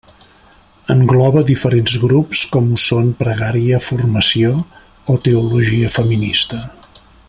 Engloba diferents grups com ho són Pregària, Formació o Teologia feminista.